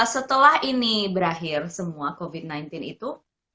setelah ini berakhir semua covid sembilan belas itu